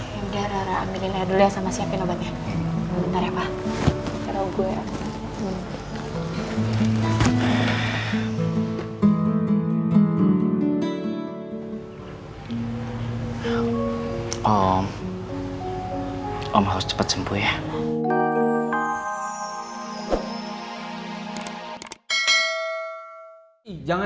yaudah rara ambilin aja dulu ya sama siapin obatnya